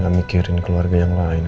gak mikirin keluarga yang lain